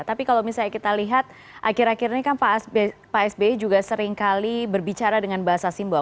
tapi kalau misalnya kita lihat akhir akhir ini kan pak sby juga seringkali berbicara dengan bahasa simbol